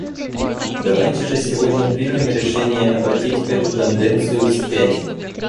Давайте же сегодня примем решение обратить эту тенденцию вспять.